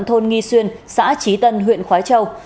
thôn nghi xuyên xã trí tân huyện khói châu